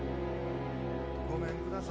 ごめんください。